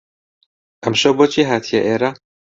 ئەمشەو بۆچی هاتیە ئێرە؟